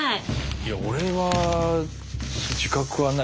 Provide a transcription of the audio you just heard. いや俺は自覚はない。